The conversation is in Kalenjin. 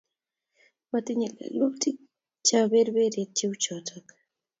Matiyei lelwotik chebo berberyet cheuchotok